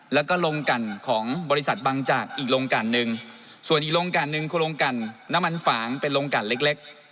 แล้วก็ลงกันของบริษัทบางจากอีกลงกันนึงส่วนอีกลงกันนึงคือลงกันน้ำมันฝางเป็นลงกันเล็ก